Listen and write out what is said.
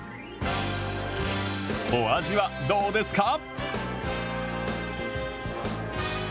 お味はどうですか？